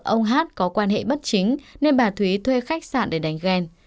ông hát có quan hệ bất chính nên bà thúy thuê khách sạn để đánh ghen